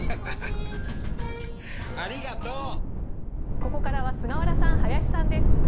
ここからは菅原さん、林さんです。